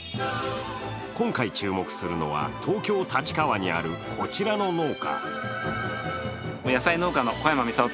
今回注目するのは、東京・立川にあるこちらの農家。